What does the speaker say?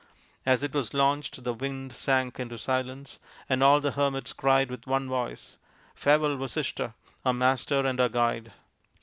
As it was launched, the wind sank into silence, and all the hermits cried with one voice, " Farewell, Vasishtha, our master and our guide."